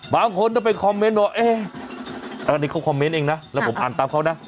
บางคนก็ไปคอมเมนต์ว่าเอ๊ะอันนี้เขาคอมเมนต์เองนะแล้วผมอ่านตามเขานะ